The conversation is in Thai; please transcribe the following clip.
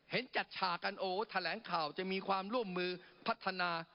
จัดฉากกันโอ้แถลงข่าวจะมีความร่วมมือพัฒนา